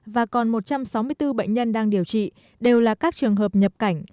và còn một trăm sáu mươi bốn bệnh nhân đang điều trị đều là các trường hợp nhập cảnh